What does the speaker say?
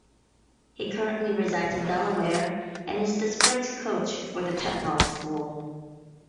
He currently resides in Delaware and is the sprint coach for the Tatnall School.